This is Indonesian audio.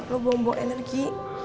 lo bawa bawa energi